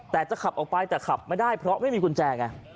แต่จะขับออกไปแต่ขับไม่ได้เพราะไม่มีกุญแจไง